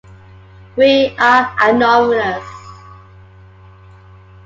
We are Anonymous!